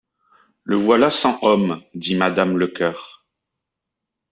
La voilà sans homme, dit madame Lecœur.